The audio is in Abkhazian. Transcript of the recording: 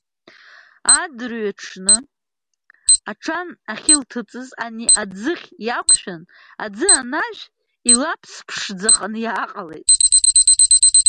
Адырҩегьых аҽан ахьылҭыҵыз ани аӡыхь иаақәшәан, аӡы анажә, илаԥс ԥшӡаханы иааҟалеит.